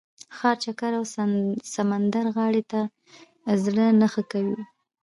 ښار چکر او سمندرغاړې ته زړه نه ښه کوي.